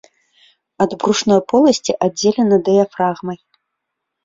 Ад брушной поласці аддзелена дыяфрагмай.